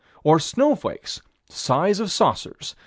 Or snowflakes. Size of saucers.